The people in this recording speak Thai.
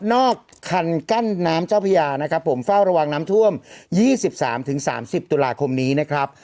คันกั้นน้ำเจ้าพญานะครับผมเฝ้าระวังน้ำท่วม๒๓๓๐ตุลาคมนี้นะครับ